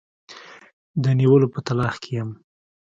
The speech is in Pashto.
د نیولو په تلاښ کې یم.